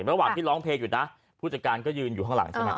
ระหว่างที่ร้องเพลงอยู่นะผู้จัดการก็ยืนอยู่ข้างหลังใช่ไหม